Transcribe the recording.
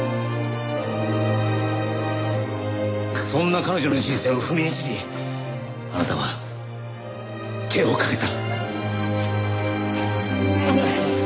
そんな彼女の人生を踏みにじりあなたは手をかけた。